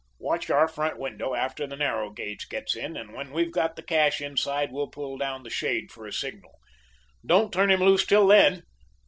Watch our front window after the narrow gauge gets in, and when we've got the cash inside we'll pull down the shade for a signal. Don't turn him loose till then.